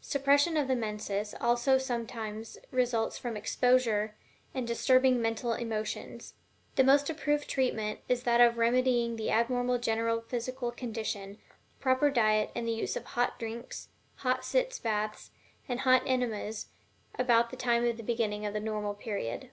Suppression of the menses also sometimes results from exposure and disturbing mental emotions. The most approved treatment is that of remedying the abnormal general physical condition, proper diet, and the use of hot drinks, hot sitz baths, and hot enemas about the time of the beginning of the normal period.